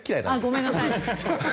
ごめんなさい。